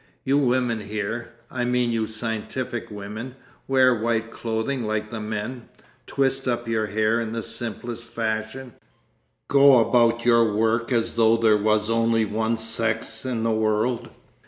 'You women here, I mean you scientific women, wear white clothing like the men, twist up your hair in the simplest fashion, go about your work as though there was only one sex in the world.